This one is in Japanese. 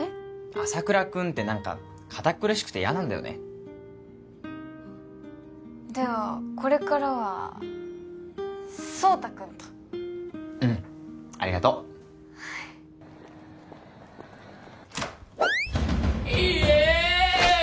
朝倉君って何か堅苦しくて嫌なんだよねではこれからは奏汰君とうんありがとうはいイエーイ！